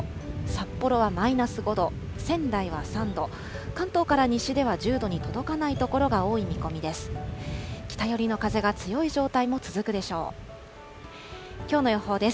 札幌はマイナス５度、仙台は３度、関東から西では１０度に届かない所が多い見込みです。